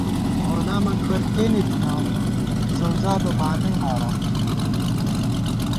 غلام اکبر کېنے تھنہ ، زؤزادہ بانئی مارون